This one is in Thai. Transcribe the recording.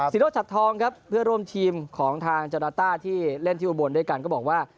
โรชัดทองครับเพื่อร่วมทีมของทางจราต้าที่เล่นที่อุบลด้วยกันก็บอกว่า